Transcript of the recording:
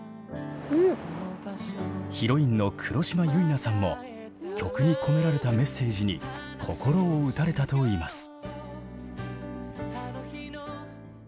ヒロインの黒島結菜さんも曲に込められたメッセージに心を打たれたといいます。